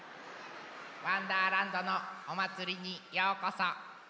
「わんだーらんど」のおまつりにようこそ。